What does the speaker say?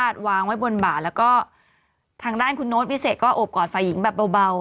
ทางด้านคุณโน๊ตวิเศษก็อบกอดฝ่ายหญิงแบบเบา